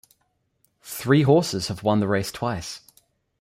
Three horses have won the race twice.